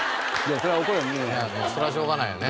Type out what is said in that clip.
それはしょうがないよね。